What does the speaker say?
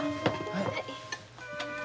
はい。